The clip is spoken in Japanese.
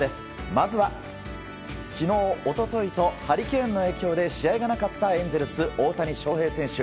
まずは昨日、一昨日とハリケーンの影響で試合がなかったエンゼルス、大谷翔平選手。